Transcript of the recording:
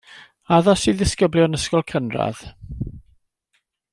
Addas i ddisgyblion ysgolion cynradd.